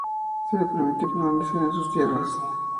Se le permitió permanecer en sus tierras.